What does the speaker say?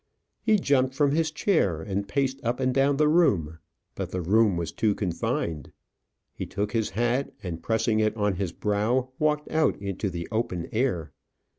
He jumped from his chair, and paced up and down the room; but the room was too confined. He took his hat, and pressing it on his brow, walked out into the open air.